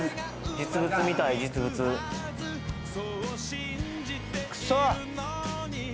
実物見たい実物クソ！